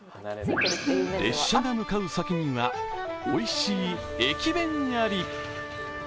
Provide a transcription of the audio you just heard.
列車で向かう先にはおいしい駅弁あり。